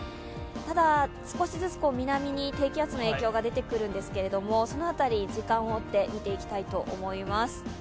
ただ、少しずつ南に低気圧の影響が出てくるんですけれども、その辺り、時間を追って見ていきたいと思います。